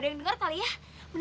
sepada halo permisi